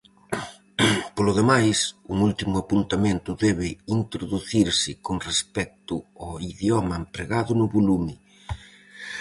Polo demais, un último apuntamento debe introducirse con respecto ao idioma empregado no volume.